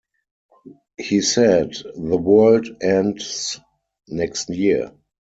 He said, The world ends next year.